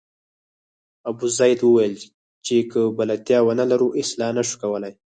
ابوزید وویل چې که بلدتیا ونه لرو اصلاح نه شو کولای.